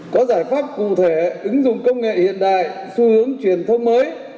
có giải pháp cụ thể ứng dụng công nghệ hiện đại xu hướng truyền thông mới